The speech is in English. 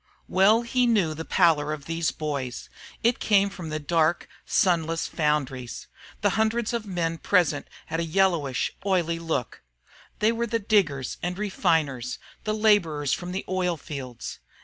Well he knew the pallor of these boys; it came from the dark, sunless foundries. The hundreds of men present had a yellowish, oily look; they were the diggers and refiners, the laborers from the oil fields.